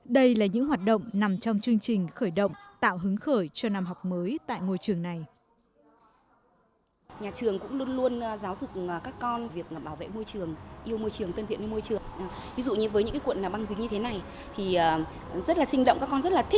đây là những hoạt động nằm trong chương trình khởi động tạo hứng khởi cho năm học mới tại ngôi trường này